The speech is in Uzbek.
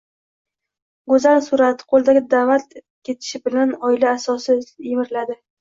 go‘zal surat, qo‘ldagi davlat ketishi bilan oila asosi yemiriladi.